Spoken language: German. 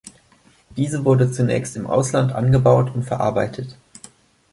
Diese wurde zunächst im Ausland angebaut und verarbeitet.